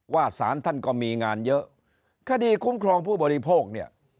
สารท่านก็มีงานเยอะคดีคุ้มครองผู้บริโภคเนี่ย